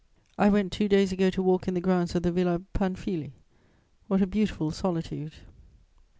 "I went two days ago to walk in the grounds of the Villa Panfili: what a beautiful solitude!"